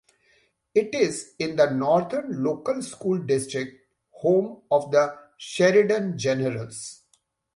It is in the Northern Local School District, home of the Sheridan Generals.